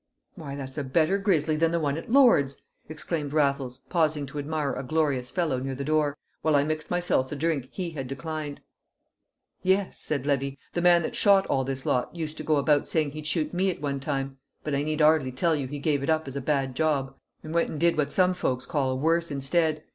"Why, that's a better grisly than the one at Lord's!" exclaimed Raffles, pausing to admire a glorious fellow near the door, while I mixed myself the drink he had declined. "Yes," said Levy, "the man that shot all this lot used to go about saying he'd shoot me at one time; but I need 'ardly tell you he gave it up as a bad job, and went an' did what some folks call a worse instead.